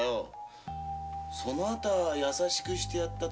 その後はやさしくしてやった。